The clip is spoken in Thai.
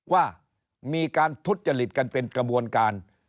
ว่ามีการทุจจริตกันเป็นกระบวนการ